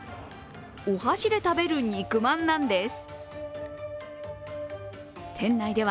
お箸で食べる肉まんなんです。